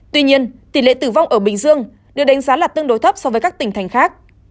tuy nhiên tỷ lệ tử vong ở bình dương được đánh giá là tương đối thấp so với các tỉnh thành khác